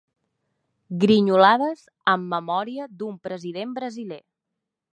Grinyolades en memòria d'un president brasiler.